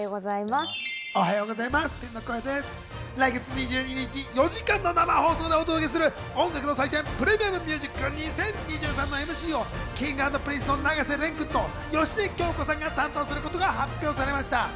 来月２２日、４時間の生放送でお届けする音楽の祭典『ＰｒｅｍｉｕｍＭｕｓｉｃ２０２３』のＭＣを、Ｋｉｎｇ＆Ｐｒｉｎｃｅの永瀬廉君と芳根京子さんが担当することが発表されました。